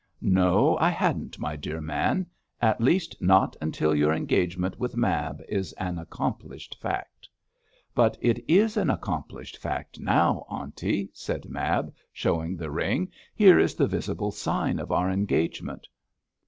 'No, I hadn't, my dear man; at least, not until your engagement with Mab is an accomplished fact.' 'But it is an accomplished fact now, aunty,' said Mab, showing the ring. 'Here is the visible sign of our engagement.'